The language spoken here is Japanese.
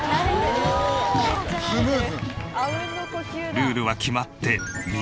ルールは決まって。